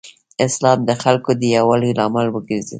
اسلام د خلکو د یووالي لامل وګرځېد.